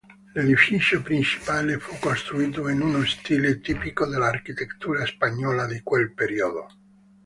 L'edificio principale fu costruito in uno stile tipico dell'architettura spagnola di quel periodo.